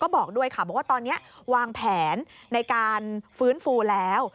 บอกด้วยค่ะบอกว่าตอนนี้วางแผนในการฟื้นฟูแล้ว